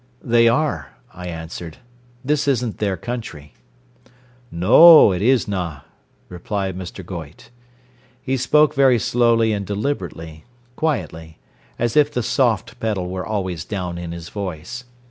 "They are," I answered. "This isn't their country." "No, it isna," replied Mr. Goyte. He spoke very slowly and deliberately, quietly, as if the soft pedal were always down in his voice.